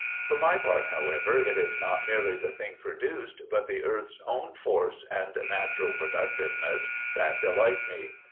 For my part, however, it is not merely the thing produced, but the earth's own force and natural productiveness that delight me.